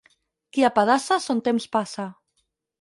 Qui apedaça son temps passa.